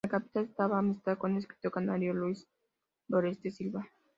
En la capital entabla amistad con el escritor canario Luis Doreste Silva.